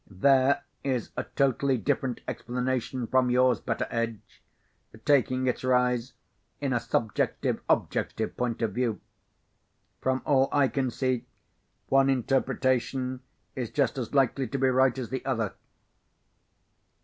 There is a totally different explanation from yours, Betteredge, taking its rise in a Subjective Objective point of view. From all I can see, one interpretation is just as likely to be right as the other."